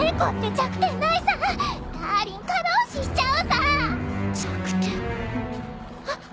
弱点あっ！